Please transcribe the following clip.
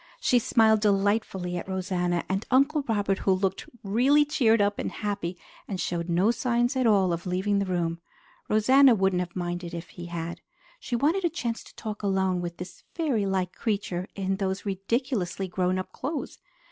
She smiled delightfully at Rosanna and at Uncle Robert, who looked really cheered up and happy and showed no signs at all of leaving the room. Rosanna wouldn't have minded if he had. She wanted a chance to talk alone with this fairy like creature in those ridiculously grown up clothes.